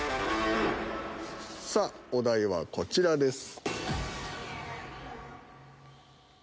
さあお題はこちらです。